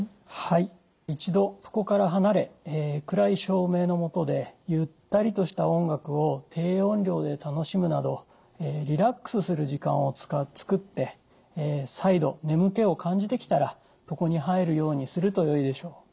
一度床から離れ暗い照明の下でゆったりとした音楽を低音量で楽しむなどリラックスする時間を作って再度眠気を感じてきたら床に入るようにするとよいでしょう。